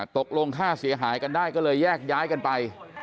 ตกลงค่าเสียหายกันได้ก็เลยแยกย้ายกันไป